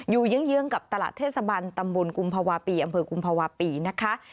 เยื้องกับตลาดเทศบันตำบลกุมภาวะปีอำเภอกุมภาวะปีนะคะ